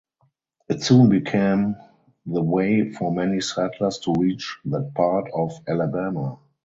It soon became the way for many settlers to reach that part of Alabama.